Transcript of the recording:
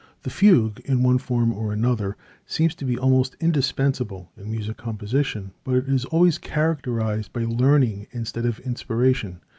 The fugue, in one form or another, seems to be almost indispensable in musical composition, but it is always characterized by learning instead of inspiration.